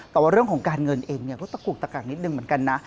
แต่ว่าเรื่องของการเงินเองก็ตะกุกตะกักนิดนึงเหมือนกันนะ